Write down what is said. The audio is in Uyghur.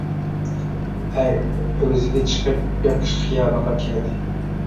ئەر ئۆگزىگە چىقىپ بېقىش خىيالىغا كەلدى.